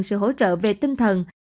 sự hỗ trợ về tinh thần